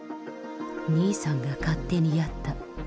兄さんが勝手にやった。